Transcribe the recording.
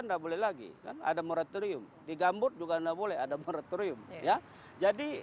nggak boleh lagi ada meretorium di gambut juga nggak boleh ada meretorium ya jadi